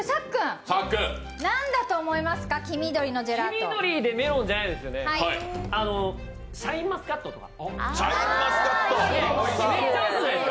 黄緑でメロンじゃないんですよね、シャインマスカットとか？